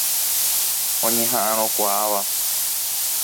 Oñeha'ãrõkuaáva.